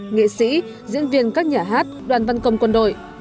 nghệ sĩ diễn viên các nhà hát đoàn văn công quân đội